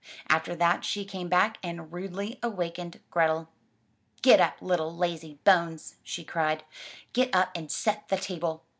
After that she came back and rudely awakened Grethel. "Get up, little lazy bones! she cried. "Get up and set the table.